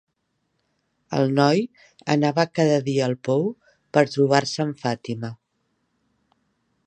El noi anava cada dia al pou per trobar-se amb Fatima.